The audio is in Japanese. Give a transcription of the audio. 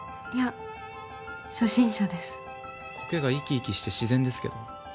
苔が生き生きして自然ですけど。